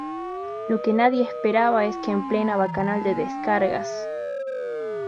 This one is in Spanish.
Lo que nadie esperaba es que en plena bacanal de descargas